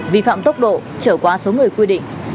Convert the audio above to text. vi phạm tốc độ trở quá số người quy định